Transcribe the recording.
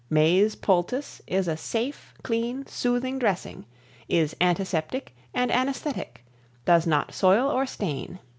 Meys Poultice is a safe, clean, soothing dressing is antiseptic and anesthetic; does not soil or stain.